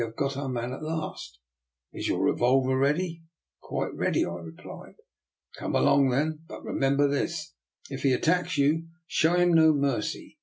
have got our man at last. Is your revolver ready? "" Quite ready/' I replied. " Come along, then. But remember this: if he attacks you, show him no mercy.